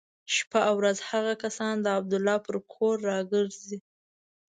شپه او ورځ هغه کسان د عبدالله پر کور را ګرځي.